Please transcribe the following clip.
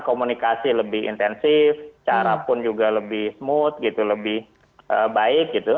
komunikasi lebih intensif cara pun juga lebih smooth gitu lebih baik gitu